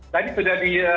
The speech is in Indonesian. tadi sudah dipanggil